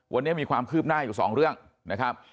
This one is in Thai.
วันนี้มีความคืบหน้าอยู่สองเรื่องนะครับ